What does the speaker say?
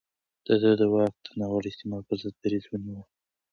ده د واک د ناوړه استعمال پر ضد دريځ ونيو.